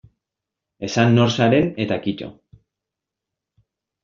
Esan nor zaren eta kito.